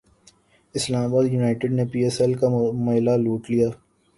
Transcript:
اسلام باد یونائٹیڈ نے P S L کا میلہ لوٹ لیا